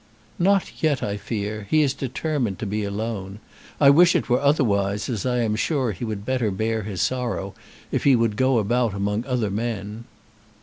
"Not yet, I fear. He is determined to be alone. I wish it were otherwise, as I am sure he would better bear his sorrow, if he would go about among other men."